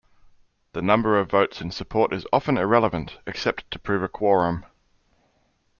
The number of votes in support is often irrelevant, except to prove a quorum.